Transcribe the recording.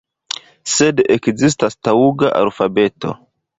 Sed ekzistas taŭga alfabeto.